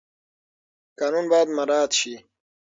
قانون باید مراعات شي.